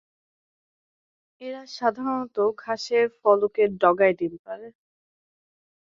এরা সাধারনত ঘাসের ফলকের ডগায় ডিম পাড়ে।